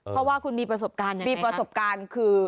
เพราะว่าคุณมีประสบการณ์ไง